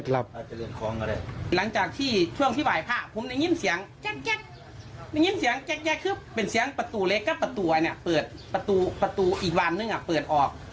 หลังจากช่วงที่หวายผ้าผมได้ยินเสียงแก๊กเป็นเสียงประตูเล็กกับประตูอีกวันนึงเปิดออก